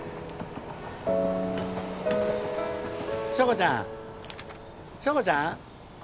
硝子ちゃん硝子ちゃん？